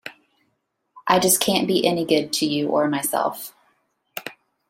I just can't be any good to you or myself.